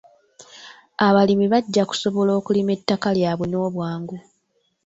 Abalimi bajja kusobola okulima ettaka lyabwe n'obwangu.